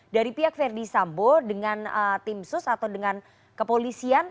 dari pihak verdi sambo dengan tim sus atau dengan kepolisian